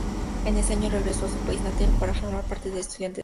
En ese año regresó a su país natal para formar parte del Estudiantes Tecos.